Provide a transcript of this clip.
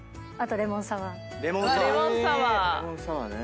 レモンサワー。